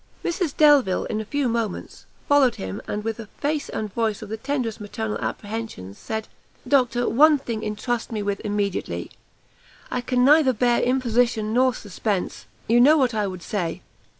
Mrs Delvile, in a few moments, followed him, and with a face and voice of the tenderest maternal apprehensions, said "Doctor, one thing entrust me with immediately; I can neither bear imposition nor suspense; you know what I would say!